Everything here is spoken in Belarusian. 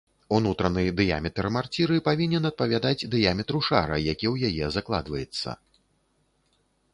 Унутраны дыяметр марціры павінен адпавядаць дыяметру шара, які ў яе закладваецца.